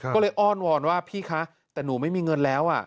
ก็เลยอ้อนวอนว่าพี่คะแต่หนูไม่มีเงินแล้ว